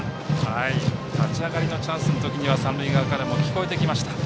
立ち上がりのチャンスの時三塁側からも聞こえてきました。